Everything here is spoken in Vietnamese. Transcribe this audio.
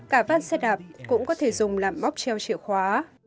cả van xe đạp cũng có thể dùng làm móc treo chìa khóa